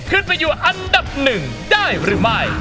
ขึ้นไปอยู่อันดับหนึ่งได้หรือไม่